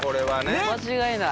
間違いない。